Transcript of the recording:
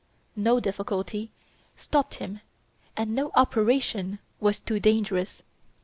No difficulty stopped him and no "operation" was too dangerous.